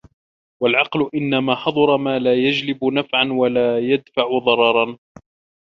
وَالْعَقْلُ إنَّمَا حَظْرَ مَا لَا يَجْلِبُ نَفْعًا وَلَا يَدْفَعُ ضَرَرًا